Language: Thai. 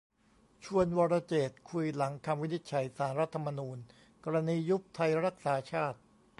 ชวน 'วรเจตน์' คุยหลังคำวินิจฉัยศาลรัฐธรรมนูญ กรณียุบไทยรักษาชาติ